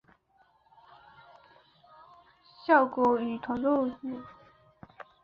效果与传统制法相当。